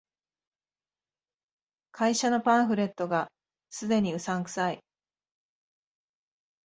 会社のパンフレットが既にうさんくさい